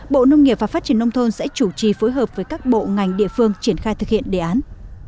bộ nông nghiệp và phát triển nông thôn sẽ chủ trì phối hợp với các bộ ngành địa phương triển khai thực hiện đề án